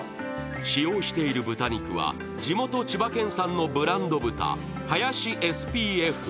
使用している豚肉は地元・千葉県産のブランド豚、林ＳＰＦ。